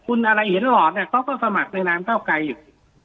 คุณอะไรเห็นหลอดเนี่ยเขาก็สมัครในนามเก้าไกรอยู่